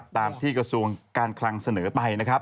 ตามที่กระทรวงการคลังเสนอไป